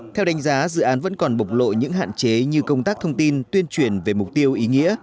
theo đánh giá dự án vẫn còn bộc lộ những hạn chế như công tác thông tin tuyên truyền về mục tiêu ý nghĩa